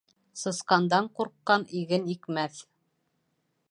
Сысҡандан ҡурҡҡан иген икмәҫ.